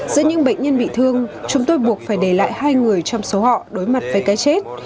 giữa những bệnh nhân bị thương chúng tôi buộc phải để lại hai người trong số họ đối mặt với cái chết